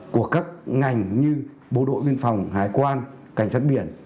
của các ngành như bộ đội biên phòng hải quan cảnh sát biển